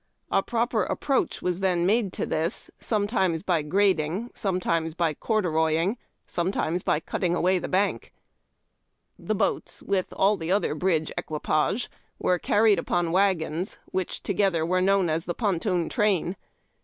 A proper ai)proacli was then made to this, sometimes by grading, sometimes by cordu roying, sometimes by cutting away the bank. 386 IIAUn TACK AND COFFEE. The boats, with all other bridge equipage, were carried upon wagons, which together were known as the Ponton Train.